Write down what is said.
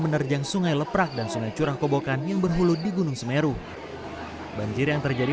menerjang sungai leprak dan sungai curah kobokan yang berhulu di gunung semeru banjir yang terjadi